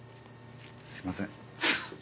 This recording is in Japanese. すいません。